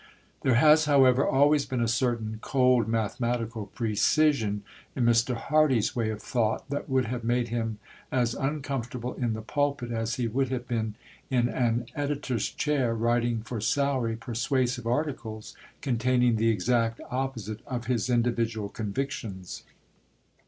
There has, however, always been a certain cold, mathematical precision in Mr. Hardy's way of thought that would have made him as uncomfortable in the pulpit as he would have been in an editor's chair, writing for salary persuasive articles containing the exact opposite of his individual convictions.